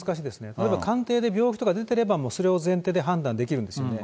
例えば鑑定で病気とか出てれば、それを前提で判断できるんですよね。